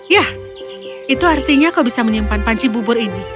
ya itu artinya kau bisa menyimpan panci bubur ini